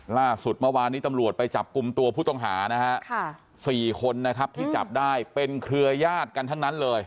ล่าสุดเมื่อวานนี้ตำรวจไปจับกลุ่มตัวผู้ต้องหานะฮะ๔คนนะครับที่จับได้เป็นเครือญาติกันทั้งนั้นเลย